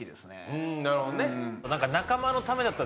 うんなるほどね。